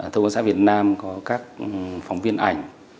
thông quan sát việt nam có các phóng viên ảnh